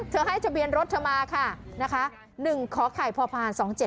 เธอให้ทะเบียนรถเธอมาค่ะ